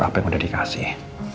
apa yang udah dikasih